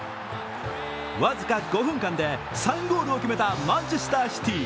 僅か５分間で３ゴールを決めたマンチェスターシティ。